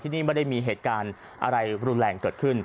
นี่ไม่ได้มีเหตุการณ์อะไรรุนแรงเกิดขึ้น